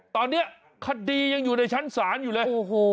ตอนนี้คดียังอยู่ในชั้นศาลอยู่เลย